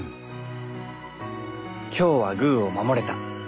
今日はグーを守れた。